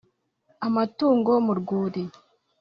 Amatungo mu rwuli